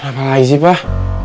apa lagi sih pak